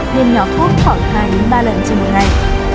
nên nhỏ thuốc khoảng hai ba lần trên một ngày